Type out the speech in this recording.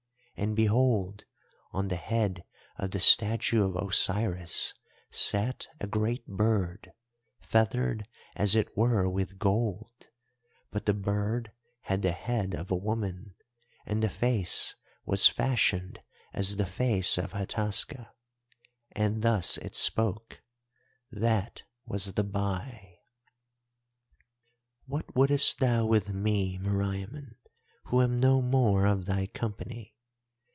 And behold, on the head of the statue of Osiris sat a great bird, feathered as it were with gold. But the bird had the head of a woman, and the face was fashioned as the face of Hataska. And thus it spoke, that was the Bai: "'What wouldest thou with me, Meriamun, who am no more of thy company?